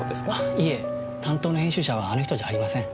いえ担当の編集者はあの人じゃありません。